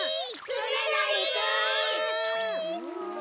つねなりくん！